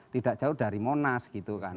tidak jauh dari monas gitu kan